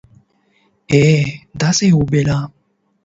هو، همداسي یې وبوله